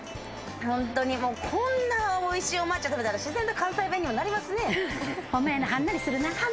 こんなおいしいお抹茶食べたら、自然と関西弁になりますね。